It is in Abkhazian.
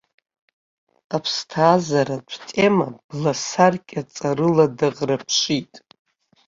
Аԥсҭазааратә тема бла саркьа ҵарыла даӷраԥшит.